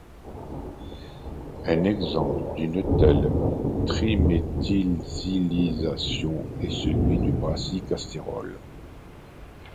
Un exemple d'une telle triméthylsilylation est celle du brassicastérol.